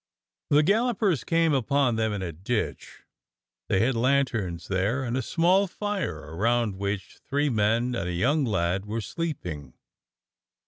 The gallopers came upon them in a ditch. They had lanterns there and a small fire around which three men and a young lad were sleeping.